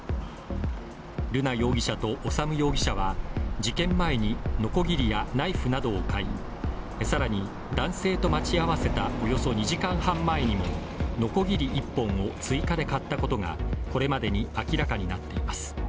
瑠奈容疑者と修容疑者は、事件前にのこぎりやナイフなどを買い、更に男性と待ち合わせたおよそ２時間半前にものこぎり１本を追加で買ったことがこれまでに明らかになっています。